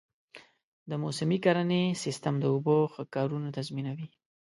د موسمي کرنې سیستم د اوبو ښه کارونه تضمینوي.